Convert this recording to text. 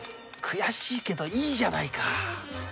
悔しいけどいいじゃないか。